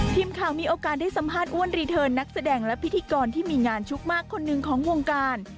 ทีมข่าวมีโอกาสได้สัมภาษณ์อ้วนรีเทิร์นนักแสดงและพิธีกรที่มีงานชุกมากคนหนึ่งของวงการ